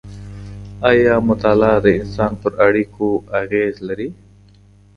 ایا مطالعه د انسان پر اړیکو اغېز لري؟